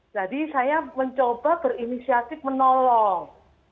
jadi saya mencoba berinisiatif menolong